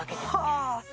はあ！